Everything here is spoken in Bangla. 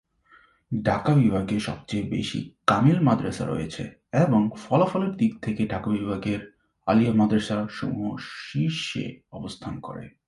ঢাকা বিভাগে সবচেয়ে বেশি কামিল মাদ্রাসা রয়েছে, এবং ফলাফলের দিক থেকে ঢাকা বিভাগের আলিয়া মাদ্রাসা সমূহ শীর্ষে অবস্থান করে।